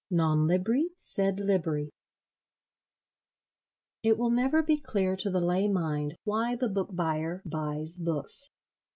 Non Libri Sed Liberi It will never be clear to the lay mind why the book buyer buys books.